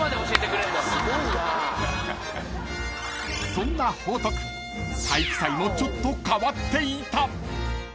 ［そんな報徳体育祭もちょっと変わっていた］